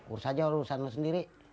urus aja urusan lu sendiri